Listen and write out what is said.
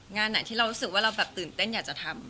งานไหนที่เรารู้สึกว่าเราแบบตื่นเต้นอยากจะทำ